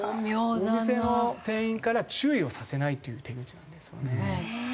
お店の店員から注意をさせないという手口なんですよね。